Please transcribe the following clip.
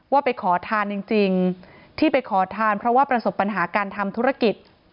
ว่าไปขอทานจริงที่ไปขอทานเพราะว่าประสบปัญหาการทำธุรกิจ